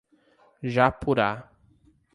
Japurá